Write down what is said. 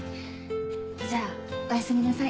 じゃあおやすみなさい。